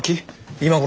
今頃？